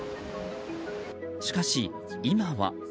しかし、今は。